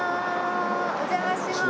お邪魔します。